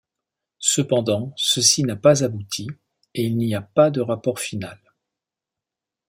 Cependant ceci n'as pas aboutit, et il n'y a pas de rapport finale.